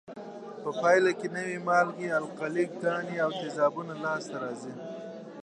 په پایله کې نوې مالګې، القلي ګانې او تیزابونه لاس ته راځي.